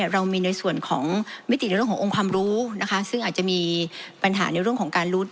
เรามีในส่วนของมิติในเรื่องขององค์ความรู้นะคะซึ่งอาจจะมีปัญหาในเรื่องของการลุด